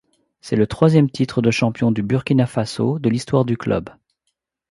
C'est le troisième titre de champion du Burkina Faso de l'histoire du club.